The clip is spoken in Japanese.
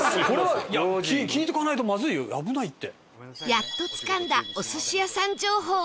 やっとつかんだお寿司屋さん情報